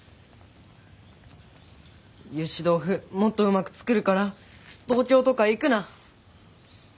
ゆし豆腐もっとうまく作るから東京とか行くな！